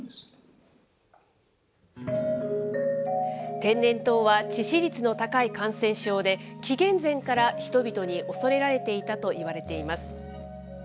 天然痘は致死率の高い感染症で、紀元前から人々に恐れられていたといわれています。